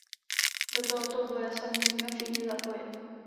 Do tohoto boje se musíme všichni zapojit.